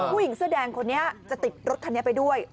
ผู้หญิงเสื้อแดงคนนี้จะติดรถคันนี้ไปด้วย